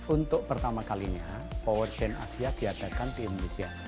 untuk pertama kalinya power gen asia diadakan di indonesia